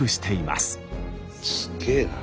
すげえな。